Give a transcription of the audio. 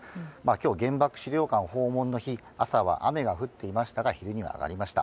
今日、原爆資料館訪問の日朝は雨が降っていましたが昼にはあがりました。